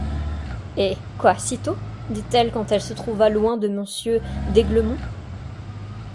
Eh! quoi, sitôt?... dit-elle quand elle se trouva loin de monsieur d’Aiglemont.